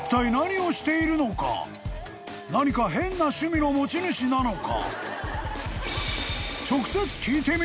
［何か変な趣味の持ち主なのか？］